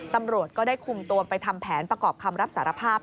ตำรวจก็ได้คุมตัวไปทำแผนประกอบคำรับสารภาพ